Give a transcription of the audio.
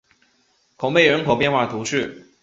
孔贝人口变化图示